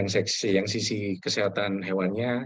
yang sisi kesehatan hewannya